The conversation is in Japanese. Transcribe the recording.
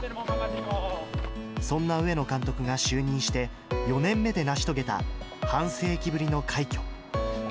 そんな上野監督が就任して４年目で成し遂げた、半世紀ぶりの快挙。